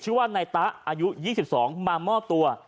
ชื่อว่านายตะอายุ๒๒มามอบตัว